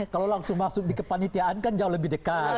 kalau langsung masuk di kepanitiaan kan jauh lebih dekat